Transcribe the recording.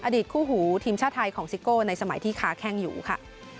คู่หูทีมชาติไทยของซิโก้ในสมัยที่ค้าแข้งอยู่ค่ะ